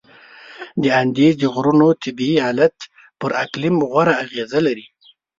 د اندیز د غرونو طبیعي حالت پر اقلیم غوره اغیزه لري.